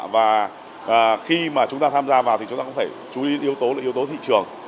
và khi mà chúng ta tham gia vào thì chúng ta cũng phải chú ý yếu tố là yếu tố thị trường